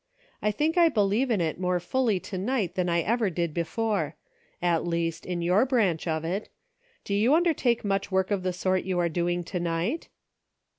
I I think I believe in it more fully to night than I ever did before ; at least, in your branch of it. Do you undertake much work of the sort you are doing to night